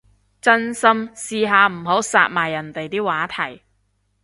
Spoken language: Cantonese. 真心，試下唔好殺埋人哋啲話題